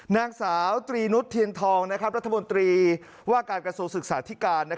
นางสาวตรีนุษย์เทียนทองรัฐมนตรีว่าการกระทรวงศึกษาธิการ